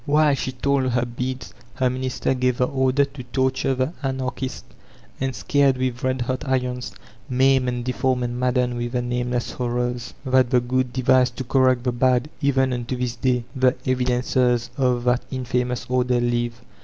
While she told her beads her minister gave the order to "torture the An archists'*; and scarred witK red hot irons, maimed and deformed and maddened with the nameless horrors that 426 VOLTAIRINE DE ClEYRE the good devise to correct the bad, even onto this day the evidences of that infamous order live.